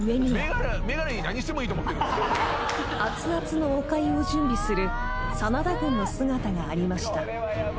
［あつあつのおかゆを準備する真田軍の姿がありました］